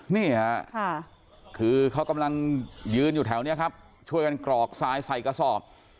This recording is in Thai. นี่ค่ะคือเขากำลังยืนอยู่แถวนี้ครับช่วยกันกรอกทรายใส่กระสอบ